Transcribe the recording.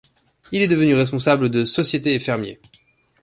Il est devenu responsable de société & fermier.